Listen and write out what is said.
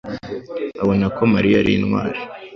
abona ko Mariya ari intwari.